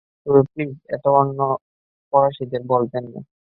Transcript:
তবে, প্লিজ, এটা অন্য ফরাসিদের বলবেন না।